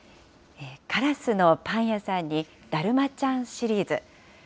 からすのパンやさんにだるまちゃんシリーズ。